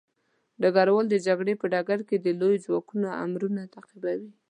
ډګروال د جګړې په ډګر کې د لويو ځواکونو امرونه تعقیبوي.